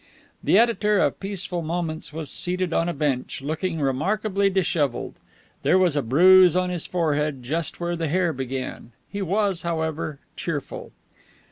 The editor of Peaceful Moments was seated on a bench, looking remarkably disheveled. There was a bruise on his forehead, just where the hair began. He was, however, cheerful.